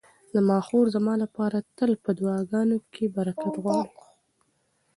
زما خور زما لپاره تل په دعاګانو کې برکت غواړي.